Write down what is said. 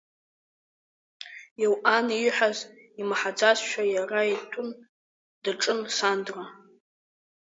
Елҟан ииҳәаз имаҳаӡазшәа иара итәы даҿын Сандра.